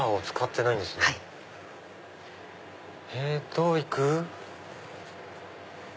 えどう行く？